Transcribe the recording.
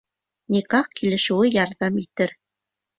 Никах килешеүе ярҙам итер